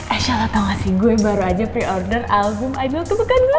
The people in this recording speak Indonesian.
eh sel tau gak sih gue baru aja pre order album idol kebukan gue